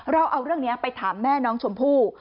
เราเอาเรื่องนี้ไปถามแม่น้องชมพู่